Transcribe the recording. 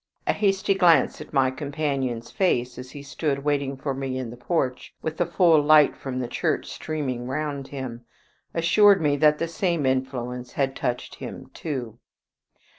A hasty glance at my companion's face as he stood waiting for me in the porch, with the full light from the church streaming round him, assured me that the same influence had touched him too.